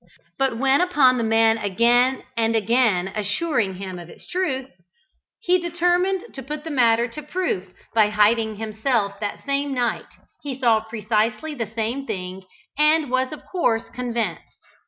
But when, upon the man again and again assuring him of its truth, he determined to put the matter to the proof by hiding himself that same night, he saw precisely the same thing, and was of course convinced.